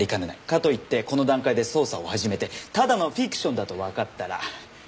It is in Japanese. かといってこの段階で捜査を始めてただのフィクションだとわかったら。